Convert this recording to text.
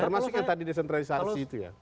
termasuk yang tadi desentralisasi itu ya